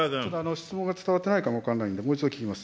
質問が伝わってないかも分からないんで、もう一度聞きます。